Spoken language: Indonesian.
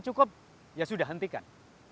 ketika kebutuhan kita cukup ya sudah hentikan